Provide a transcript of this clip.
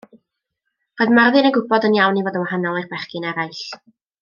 Roedd Myrddin yn gwybod yn iawn ei fod yn wahanol i'r bechgyn eraill.